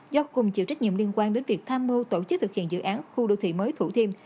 do cùng chịu trách nhiệm liên quan đến việc tham mưu tổ chức thực hiện dự án khu đô thị mới thủ thiêm